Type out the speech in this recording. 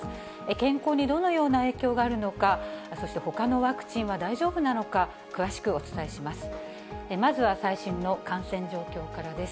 健康にどのような影響があるのか、そしてほかのワクチンは大丈夫なのか、詳しくお伝えします。